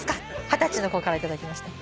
二十歳の子から頂きました。